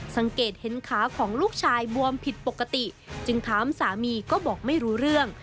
สังเกตเห็นขาของลูกชายบวมผิดปกติจึงถามสามีก็บอกไม่รู้เรื่อง